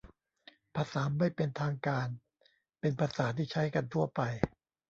ภาษาไม่เป็นทางการเป็นภาษาที่ใช้กันทั่วไป